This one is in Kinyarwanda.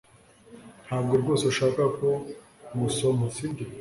Ntabwo rwose ushaka ko ngusoma sibyo